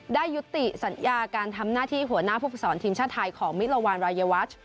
ได้ยุติสัญญาการทำหน้าที่หัวหน้าผู้ฝึกสอนทีมชาติไทยของมิลวานรายวัช